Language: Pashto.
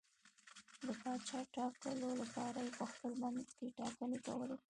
د پاچا ټاکلو لپاره یې په خپل منځ کې ټاکنې کولې.